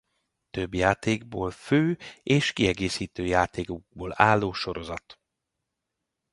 Több játékból fő és kiegészítő játékokból álló sorozat.